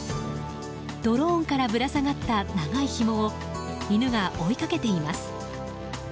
ドローンからぶら下がった長いひもを犬が追いかけています。